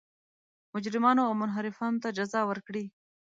مجرمانو او منحرفانو ته جزا ورکړي.